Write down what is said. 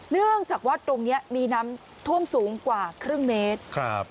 เนื่องจากวัดตรงนี้มีน้ำท่วมสูงกว่าครึ่งเมตรครับ